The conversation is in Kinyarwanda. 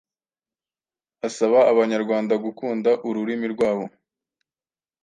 Asaba Abanyarwanda gukunda ururimi rwabo